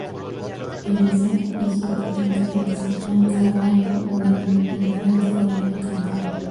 Elisa hizo el papel de Felicita encarando una nueva y diferente forma de cantar.